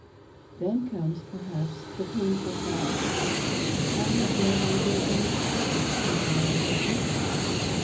" Then comes, perhaps, the painful thought, " I have no longer any desire to confide in him."